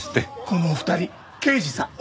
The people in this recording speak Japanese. このお二人刑事さん。